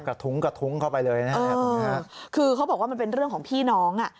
ทุ้งกระทุ้งเข้าไปเลยนะครับคือเขาบอกว่ามันเป็นเรื่องของพี่น้องอ่ะ